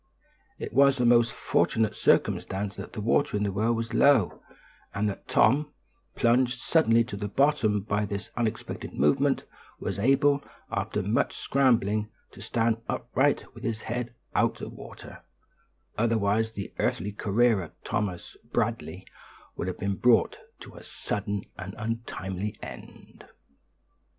It was a most fortunate circumstance that the water in the well was low, and that Tom, plunged suddenly to the bottom by this unexpected movement, was able, after much scrambling, to stand upright with his head out of water; otherwise the earthly career of Thomas Bradley would have been brought to a sudden and untimely end.